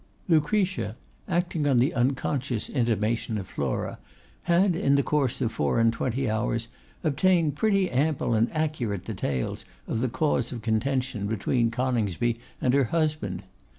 Lucretia, acting on the unconscious intimation of Flora, had in the course of four and twenty hours obtained pretty ample and accurate details of the cause of contention between Coningsby and her husband.